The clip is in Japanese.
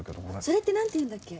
それって何て言うんだっけ？